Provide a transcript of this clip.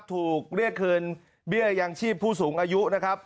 ถูกเรียกคืนเบี้ยยังชีพผู้สูงอายุนะครับ